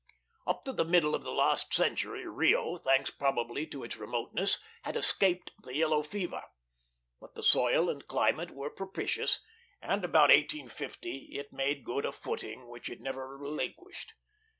Up to the middle of the last century, Rio, thanks probably to its remoteness, had escaped the yellow fever. But the soil and climate were propitious; and about 1850 it made good a footing which it never relinquished.